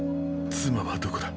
妻はどこだ。